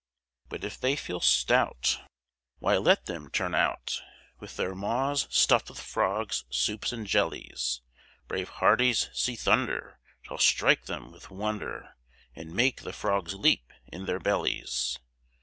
But if they feel stout, Why let them turn out, With their maws stuff'd with frogs, soups, and jellies, Brave Hardy's sea thunder Shall strike them with wonder, And make the frogs leap in their bellies!